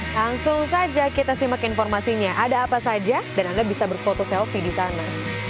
langsung saja kita simak informasinya ada apa saja dan anda bisa berfoto selfie di sana